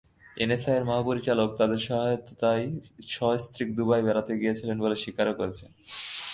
এনএসআইয়ের মহাপরিচারক তাঁদের সহায়তায় সস্ত্রীক দুবাই বেড়াতে গিয়েছিলেন বলে স্বীকারও করেছেন।